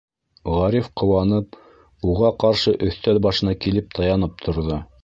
Ғариф ҡыуанып, уға ҡаршы өҫтәл башына килеп таянып торҙо.